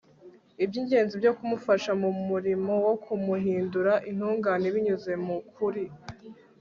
iby'ingenzi byo kumufasha mu murimo wo kumuhindura intungane binyuze mu kuri